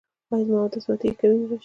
ایا زما اودس ماتیږي که وینه راشي؟